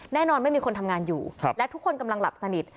ไม่มีคนทำงานอยู่และทุกคนกำลังหลับสนิท